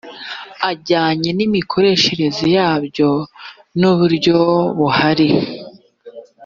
ajyanye n imikoreshereze yabyo n uburyo buhari